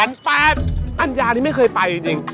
ใช่เป็นอันยาที่ไม่เคยไปจริง